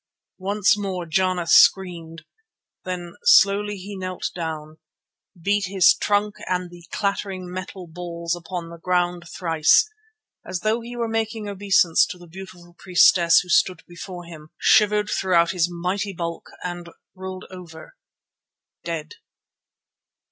Once more Jana screamed. Then slowly he knelt down, beat his trunk and the clattering metal balls upon the ground thrice, as though he were making obeisance to the beautiful priestess who stood before him, shivered throughout his mighty bulk, and rolled over—dead!